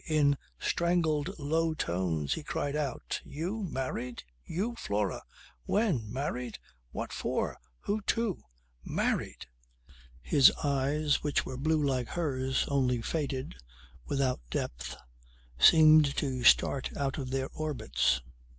In strangled low tones he cried out, "You married? You, Flora! When? Married! What for? Who to? Married!" His eyes which were blue like hers, only faded, without depth, seemed to start out of their orbits.